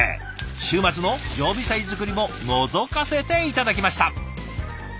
週末の常備菜作りものぞかせて頂きました。